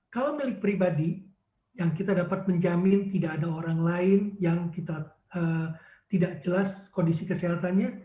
kalau milik pribadi yang kita dapat menjamin tidak ada orang lain yang kita tidak jelas kondisi kesehatannya